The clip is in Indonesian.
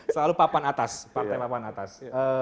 selalu papan atas partai papan atas